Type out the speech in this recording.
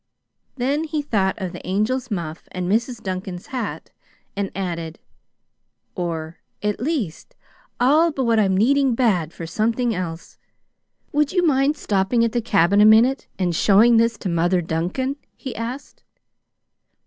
Then he thought of the Angel's muff and Mrs. Duncan's hat, and added, "or at least, all but what I'm needing bad for something else. Would you mind stopping at the cabin a minute and showing this to Mother Duncan?" he asked.